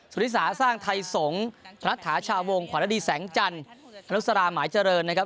สมฤติศาสตร์สร้างไทยสงฆ์พระนัทฐาชาวงศ์ขวานฤดีแสงจันทร์อรุษราหมายเจริญนะครับ